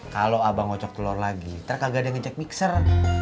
kalau abang ngocok telor lagi ntar kagak ada yang ngecek mixer